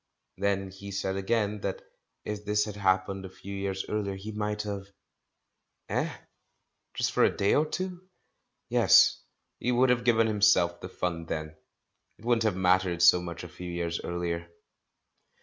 Then he said again that if this had haiipened a few years earher, he might have — Eh? Just for a day or two? Yes, he would have given him self the fun then! It wouldn't have mattered so much a few years earlier.